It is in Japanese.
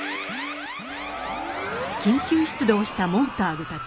緊急出動したモンターグたち。